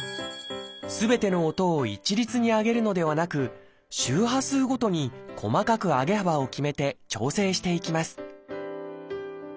すべての音を一律に上げるのではなく周波数ごとに細かく上げ幅を決めて調整していきます